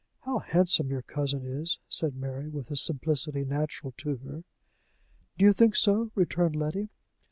"How handsome your cousin is!" said Mary, with the simplicity natural to her. "Do you think so?" returned Letty.